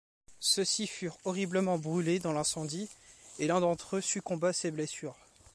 Ceux-ci furent horriblement brûlés dans l'incendie et l'un d'entre eux succomba à ses blessures.